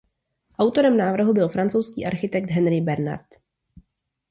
Autorem návrhu byl francouzský architekt Henri Bernard.